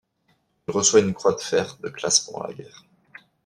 Il reçoit une croix de fer de classe pendant la guerre.